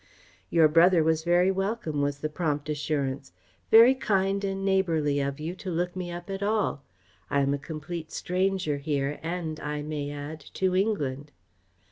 "Your brother was very welcome," was the prompt assurance. "Very kind and neighbourly of you to look me up at all. I am a complete stranger here and, I may add, to England."